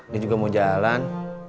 dia juga mau jalan